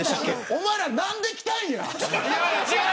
おまえら、何で来たんや。